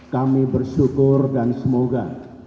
kami bersyukur dan semoga